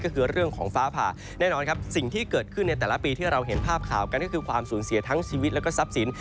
ก็คือเรื่องของฟ้าผ่าแน่นอนครับสิ่งที่เกิดขึ้นในแต่ละปีที่เราเห็นภาพข่าวกันก็คือความสูญเสียทั้งชีวิตแล้วก็ทรัพย์สิน